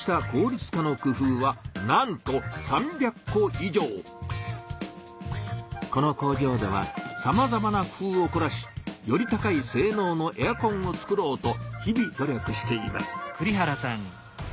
こうしたこの工場ではさまざまな工夫をこらしより高いせいのうのエアコンをつくろうとひび努力しています。